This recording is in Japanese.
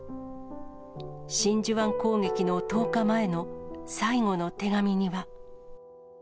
真珠湾攻撃の１０日前の最後の手紙には。